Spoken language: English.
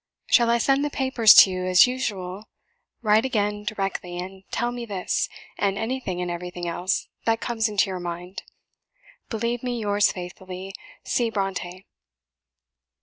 Shall I send the papers to you as usual. Write again directly, and tell me this, and anything and everything else that comes into your mind. Believe me, yours faithfully, "C. BRONTË."